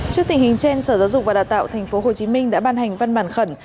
trước tình hình trên sở giáo dục và đào tạo tp hcm đã ban hành văn bản khẩn